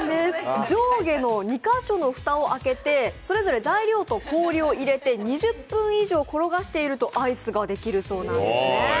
上下の２カ所の蓋を開けてそれぞれ材料を氷を入れて２０分以上転がしているとアイスができるそうなんですね。